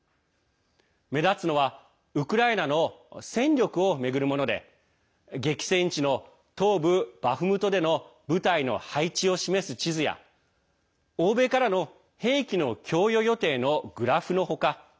目立つのはウクライナの戦力を巡るもので激戦地の東部バフムトでの部隊の配置を示す地図や欧米からの兵器の供与予定のグラフの他